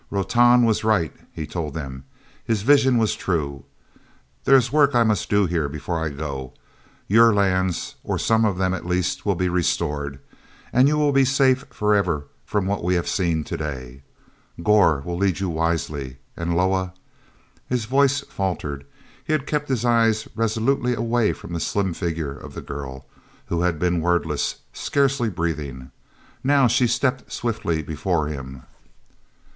"Rotan was right," he told them. "His vision was true. There is work I must do here before I go. Your lands, or some of them at least, will be restored. And you will be safe forever from what we have seen to day. Gor will lead you wisely, and Loah...." His voice faltered; he had kept his eyes resolutely away from the slim figure of the girl, who had been wordless, scarcely breathing. Now she stepped swiftly before him.